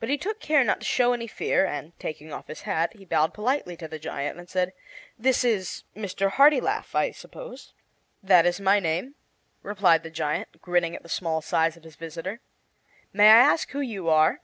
But he took care not to show any fear, and, taking off his hat, he bowed politely to the giant and said: "This is Mr. Hartilaf, I suppose?" "That is my name," replied the giant, grinning at the small size of his visitor. "May I ask who you are?"